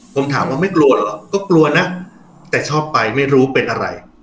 ผมถามว่าไม่กลัวเหรอก็กลัวนะแต่ชอบไปไม่รู้เป็นอะไร